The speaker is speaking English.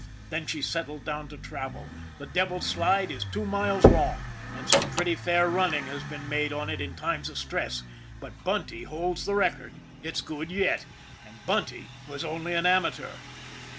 Then she settled down to travel. The Devil's Slide is two miles long, and some pretty fair running has been made on it in times of stress; but Bunty holds the record, it's good yet, and Bunty was only an amateur